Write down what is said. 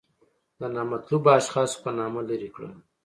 د نامطلوبو اشخاصو په نامه لرې کړل.